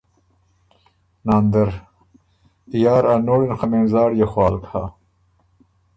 ناندر ـــ”یار ا نوړي ن خه مېن زاړيې خوالک هۀ۔